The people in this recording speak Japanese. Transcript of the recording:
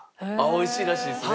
美味しいらしいですね。